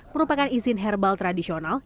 merupakan izin herbal tradisional